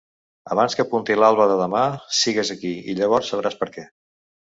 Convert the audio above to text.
Abans que apunti l'alba de demà, sigues aquí, i llavors sabràs per què.